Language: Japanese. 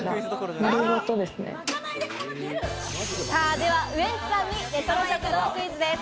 では、ウエンツさんにレトロ食堂クイズです。